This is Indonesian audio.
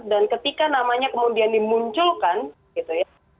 dan ketika namanya kemudian dimunculkan gitu ya